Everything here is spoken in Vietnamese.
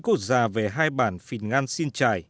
của già về hai bản phịt ngan sinh trải